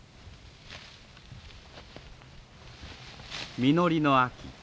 実りの秋。